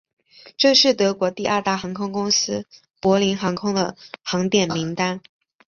这是德国第二大航空公司柏林航空的航点名单。